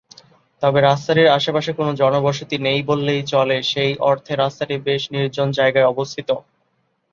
তবে রাস্তাটির আশেপাশে কোন জনবসতি নেই বললেই চলে, সেই অর্থে রাস্তাটি বেশ নির্জন জায়গায় অবস্থিত।